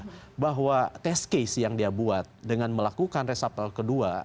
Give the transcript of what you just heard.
ini adalah case case yang dia buat dengan melakukan resapel ke dua